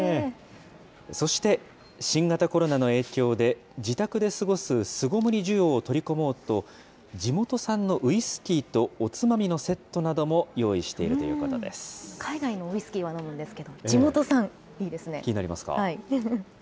そして新型コロナの影響で、自宅で過ごす巣ごもり需要を取り込もうと、地元産のウイスキーとおつまみのセットなども用意しているという海外のウイスキーは飲むんで気になりますか。